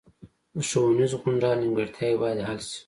د ښوونیز غونډال نیمګړتیاوې باید حل شي